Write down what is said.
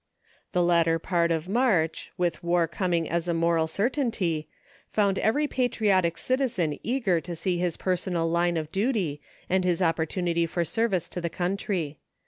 The latter part of March, with war coming as a moral certainty, found every patriotic citizen eager to see his personal line of duty, and his opportunity for service to the country.